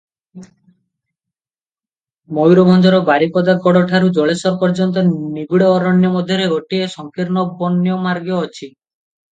ମୟୂରଭଞ୍ଜର ବାରିପଦା ଗଡଠାରୁ ଜଳେଶ୍ୱର ପର୍ଯ୍ୟନ୍ତ ନିବିଡ଼ ଅରଣ୍ୟ ମଧ୍ୟରେ ଗୋଟିଏ ସଂକୀର୍ଣ୍ଣ ବନ୍ୟ ମାର୍ଗ ଅଛି ।